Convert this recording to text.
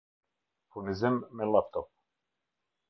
Furnizim me llaptop